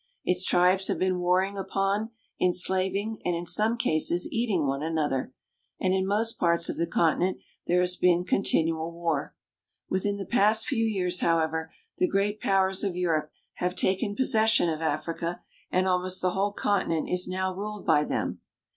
Its tribes have been warring upon, enslaving, and in some cases eating one another ; and in most parts of the conti nent there has been continual war. Within the past few years, however, the great powers of Europe have taken possession of Africa, and almost the whole continent is now ruled by them.